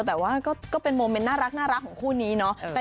แต่ว่าก็เป็นโมเมนต์น่ารักของคู่นี้เนาะ